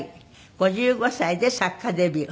５５歳で作家デビュー。